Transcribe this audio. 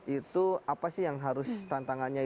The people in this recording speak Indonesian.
itu apa sih yang harus tantangannya